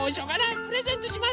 プレゼントします。